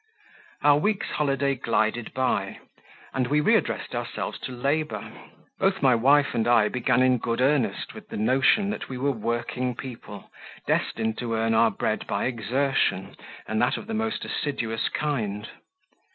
Our week's holiday glided by, and we readdressed ourselves to labour. Both my wife and I began in good earnest with the notion that we were working people, destined to earn our bread by exertion, and that of the most assiduous kind.